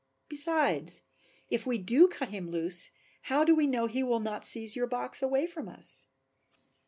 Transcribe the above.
Besides, if we do cut him loose how do we know he will not seize your box away from us?"